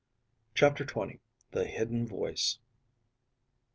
CHAPTER XX. THE HIDDEN VOICE.